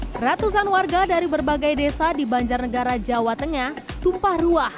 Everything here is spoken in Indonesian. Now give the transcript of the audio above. hai ratusan warga dari berbagai desa di banjarnegara jawa tengah tumpah ruah